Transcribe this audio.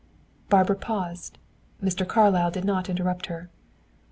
Barbara paused. Mr. Carlyle did not interrupt her.